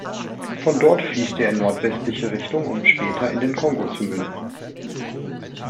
Von dort fließt er in nordwestliche Richtung, um später in den Kongo zu münden.